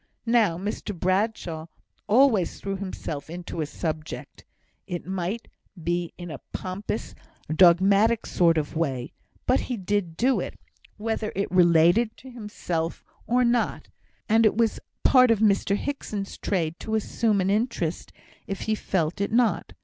Now, Mr Bradshaw always threw himself into a subject; it might be in a pompous, dogmatic sort of way, but he did do it, whether it related to himself or not; and it was part of Mr Hickson's trade to assume an interest if he felt it not.